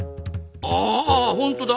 あほんとだ。